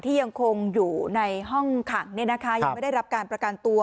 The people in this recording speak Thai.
ยังคงอยู่ในห้องขังยังไม่ได้รับการประกันตัว